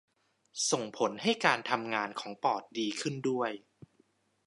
ส่งผลให้การทำงานของปอดดีขึ้นด้วย